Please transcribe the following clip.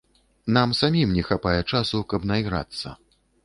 Нам самім не хапае часу, каб найграцца.